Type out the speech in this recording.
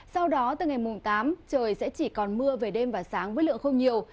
sau đó từ ngày mùng tám trời sẽ chỉ còn mưa về đêm và sáng với lượng không nhiều